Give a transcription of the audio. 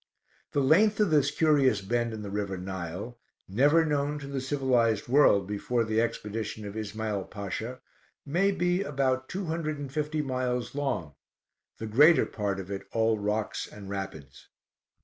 The length of this curious bend in the river Nile, never known to the civilized world before the expedition of Ismael Pasha, may be about two hundred and fifty miles long, the greater part of it all rocks and rapids.